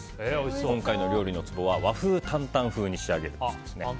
今回の料理のツボは和風坦々風に仕上げるべしです。